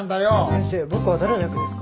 先生僕は誰の役ですか？